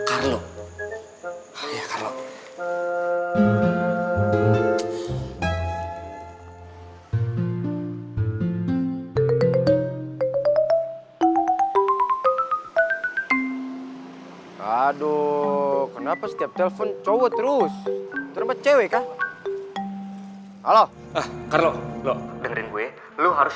aduh kenapa setiap telepon cowok terus terlalu cewek halo ah kalau lo dengerin gue lo harus